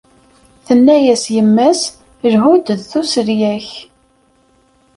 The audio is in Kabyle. Tenna-as yemma-s lhu-d d tsulya-k.